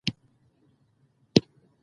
هندوکش د ځانګړې جغرافیې استازیتوب کوي.